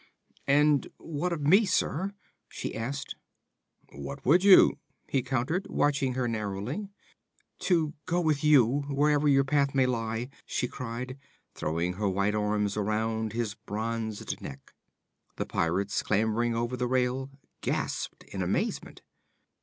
'And what of me, sir?' she asked. 'What would you?' he countered, watching her narrowly. 'To go with you, wherever your path may lie!' she cried, throwing her white arms about his bronzed neck. The pirates, clambering over the rail, gasped in amazement.